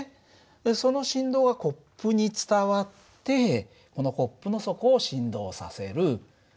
その振動がコップに伝わってこのコップの底を振動させる。